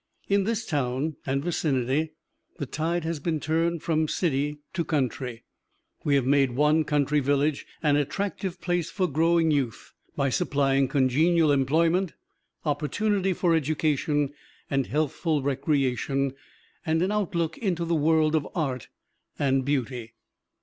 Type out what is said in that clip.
In this town and vicinity the tide has been turned from city to country. We have made one country village an attractive place for growing youth by supplying congenial employment, opportunity for education and healthful recreation, and an outlook into the world of art and beauty.